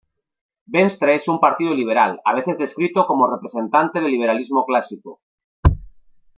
Venstre es un partido liberal, a veces descrito como representante del liberalismo clásico.